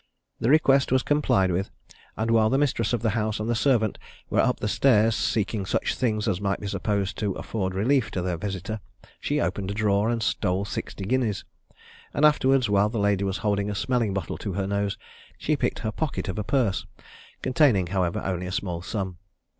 The request was complied with; and while the mistress of the house and the servant were up stairs seeking such things as might be supposed to afford relief to their visitor, she opened a drawer and stole sixty guineas; and afterwards, while the lady was holding a smelling bottle to her nose, she picked her pocket of a purse, containing, however, only a small sum.